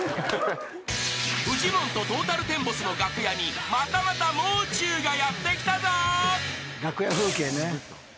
［フジモンとトータルテンボスの楽屋にまたまたもう中がやって来たぞ］